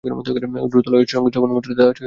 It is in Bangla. দ্রুত-লয়ের সঙ্গীত-শ্রবণমাত্র মন তাহাতে আকৃষ্ট হয়।